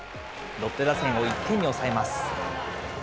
ロッテ打線を１点に抑えます。